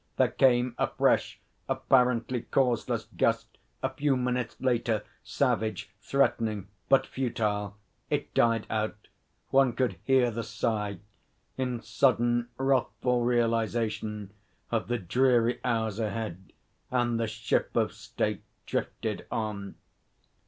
There came a fresh, apparently causeless gust a few minutes later savage, threatening, but futile. It died out one could hear the sigh in sudden wrathful realisation of the dreary hours ahead, and the ship of state drifted on.